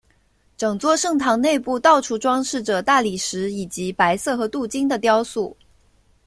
整座圣堂内部到处装饰着大理石以及白色和镀金的雕塑。